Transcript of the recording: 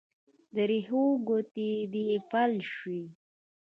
د رېښو ګوتې دې فلج شوي